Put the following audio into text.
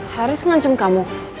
haris ngancam kamu